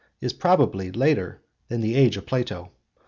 is probably later than the age of Plato.